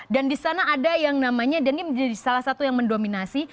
dan di sana ada yang namanya dan ini menjadi salah satu yang mendominasi